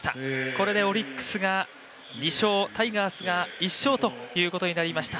これでオリックスが２勝、タイガースが１勝ということになりました。